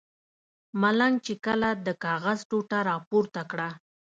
ملنګ چې کله د کاغذ ټوټه را پورته کړه.